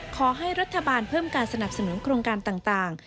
ขอให้รัฐบาลเพิ่มการสนับสนุนโครงการต่าง